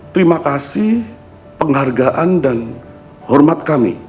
terima kasih penghargaan dan hormat kami